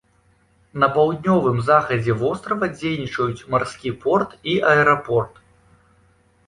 На паўднёвым захадзе вострава дзейнічаюць марскі порт і аэрапорт.